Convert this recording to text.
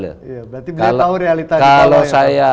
berarti nggak tahu realitanya